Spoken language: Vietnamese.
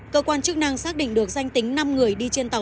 cơ quan chức năng xác định được danh tính năm người đi trên tàu